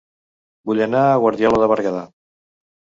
Vull anar a Guardiola de Berguedà